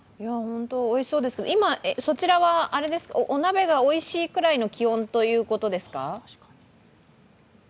おいしそうですけど、今そちらは、お鍋がおいしいくらいの気温ということですか？